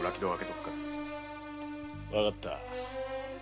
わかった。